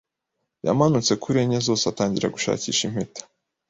Yamanutse kuri enye zose atangira gushakisha impeta.